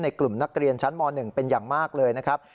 กลุ่มนักเรียนชั้นม๑เป็นอย่างมากเลยนะครับ